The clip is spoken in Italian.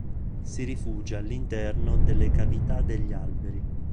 Si rifugia all'interno delle cavità degli alberi.